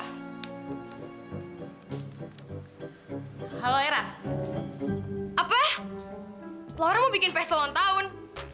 halo halo era apa luar mau bikin pesel tahun